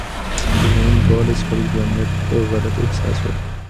ازموینې کولی شي خلکو ته د امنیت غلط احساس ورکړي.